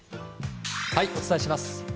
お伝えします。